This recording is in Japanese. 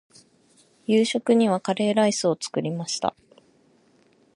夕食にはカレーライスを作りました。